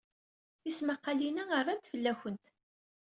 Tismaqqalin-a rnant fell-awent.